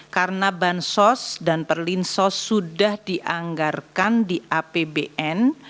karena bansos dan perlinsos sudah dianggarkan di apbn